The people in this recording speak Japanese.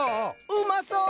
うまそう！